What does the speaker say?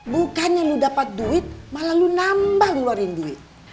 bukannya lu dapat duit malah lu nambah ngeluarin duit